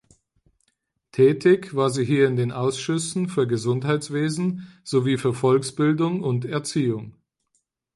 Tätig war sie hier in den Ausschüssen für Gesundheitswesen sowie für Volksbildung und Erziehung.